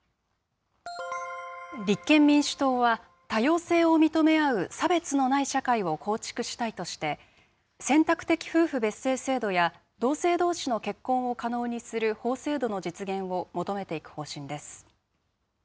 立憲民主党は、多様性を認め合う、差別のない社会を構築したいとして、選択的夫婦別姓制度や、同性どうしの結婚を可能にする法制度の実現を求めていく方針です。